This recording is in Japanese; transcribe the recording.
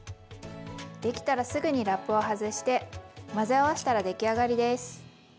できたらすぐにラップを外して混ぜ合わしたら出来上がりです。